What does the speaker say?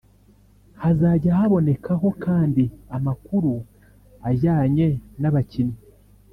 Hazajya habonekaho kandi amakuru ajyanye n’abakinnyi